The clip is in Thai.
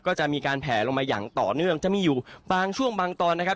ก็จะมีการแผลลงมาอย่างต่อเนื่องจะมีอยู่บางช่วงบางตอนนะครับ